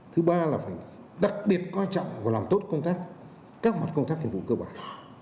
thứ ba là phải đặc biệt coi trọng và làm tốt công tác các mặt công tác nhiệm vụ cơ bản